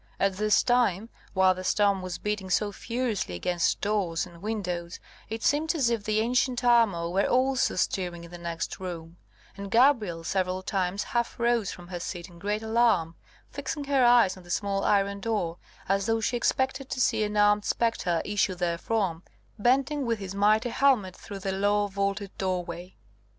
At this time, while the storm was beating so furiously against doors and windows, it seemed as if the ancient armour were also stirring in the next room, and Gabrielle several times half rose from her seat in great alarm, fixing her eyes on the small iron door, as though she expected to see an armed spectre issue therefrom, bending with his mighty helmet through the low vaulted doorway.